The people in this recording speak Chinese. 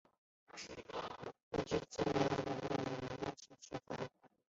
国际自然保护联盟将其列为数据缺乏。